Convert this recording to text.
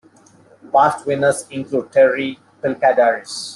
Past winners include Terry Pilkadaris.